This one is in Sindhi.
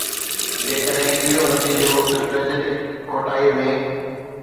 جيڪڏهن اهو نتيجو اسٽريٽجڪ کوٽائي ۾